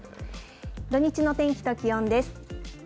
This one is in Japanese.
土日の天気と気温です。